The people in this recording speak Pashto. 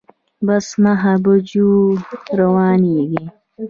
بس نهه بجو روانیږي